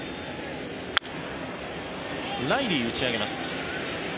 ライリー、打ち上げます。